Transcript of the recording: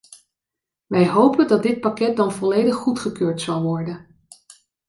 Wij hopen dat dit pakket dan volledig goedgekeurd zal worden.